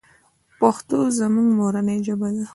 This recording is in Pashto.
پښتو زمونږ مورنۍ ژبه ده.